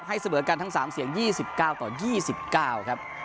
เสมอกันทั้ง๓เสียง๒๙ต่อ๒๙ครับ